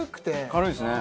軽いですね。